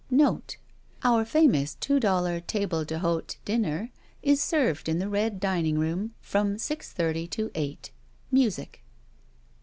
Note: Our famous two dollar Table dUdte dinner is served in the Red Dining Room from six thirty to eight. Music.